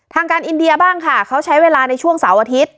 ทางการอินเดียบ้างค่ะเขาใช้เวลาในช่วงเสาร์อาทิตย์